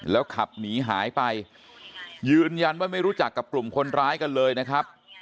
แล้วขับหนีหายไปยืนยันว่าไม่รู้จักกับกลุ่มคนร้ายกันเลยนะครับ